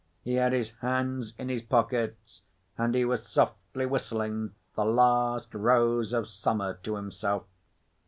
He had his hands in his pockets, and he was softly whistling "The Last Rose of Summer" to himself.